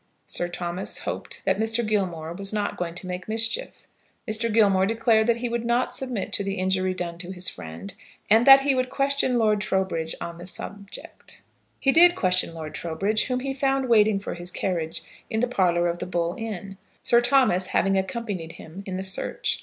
Sir Thomas hoped that Mr. Gilmore was not going to make mischief. Mr. Gilmore declared that he would not submit to the injury done to his friend, and that he would question Lord Trowbridge on the subject. He did question Lord Trowbridge, whom he found waiting for his carriage, in the parlour of the Bull Inn, Sir Thomas having accompanied him in the search.